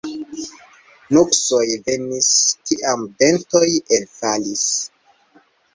Nuksoj venis, kiam dentoj elfalis.